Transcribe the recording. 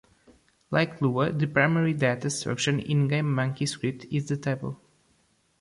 Like Lua, the primary data structure in GameMonkey Script is the table.